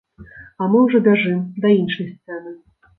А мы ўжо бяжым да іншай сцэны.